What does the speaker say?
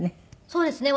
そうですね。